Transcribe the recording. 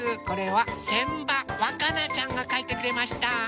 これはせんばわかなちゃんがかいてくれました。